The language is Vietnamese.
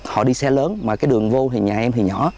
họ đi xe lớn mà cái đường vô thì nhà em thì nhỏ